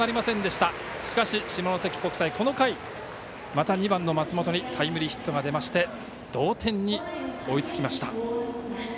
しかし、下関国際この回、また２番の松本にタイムリーヒットが出まして同点に追いつきました。